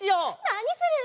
なにする？